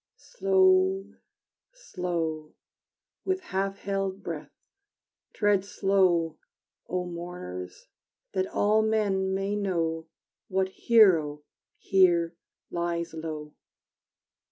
Slow, slow With half held breath Tread slow, O mourners, that all men may know What hero here lies low!